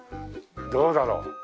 どうだろう？